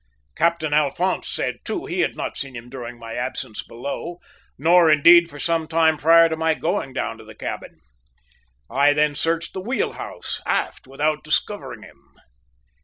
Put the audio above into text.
Captain Alphonse said, too, he had not seen him during my absence below, nor indeed, for some time prior to my going down to the cabin. "I then searched the wheel house aft without discovering him.